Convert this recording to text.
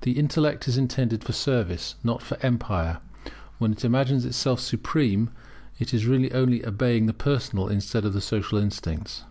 The intellect is intended for service, not for empire; when it imagines itself supreme, it is really only obeying the personal instead of the social instincts.